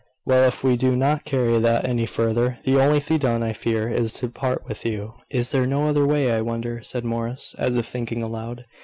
"Well, if we do not carry that any further, the only thing to be done, I fear, is to part with you." "Is there no other way, I wonder," said Morris, as if thinking aloud.